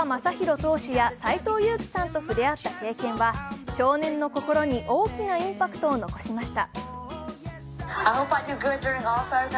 投手や斎藤佑樹さんと触れ合った経験は少年の心に大きなインパクトを残しました。